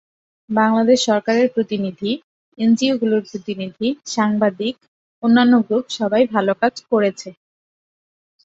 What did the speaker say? বাংলাদেশ সরকারের প্রতিনিধি, এনজিওগুলোর প্রতিনিধি, সাংবাদিক, অন্যান্য গ্রুপ সবাই ভালো কাজ করেছে।